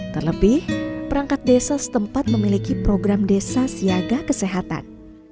terlebih perangkat desa setempat memiliki program desa siaga kesehatan